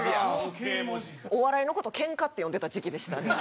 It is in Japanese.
お笑いの事「ケンカ」って呼んでた時期でしたね。